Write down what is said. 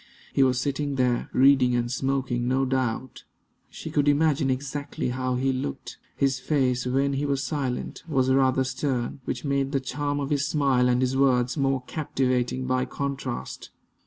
He was sitting there, reading and smoking, no doubt. She could imagine exactly how he looked. His face, when he was silent, was rather stern, which made the charm of his smile and his words more captivating by contrast.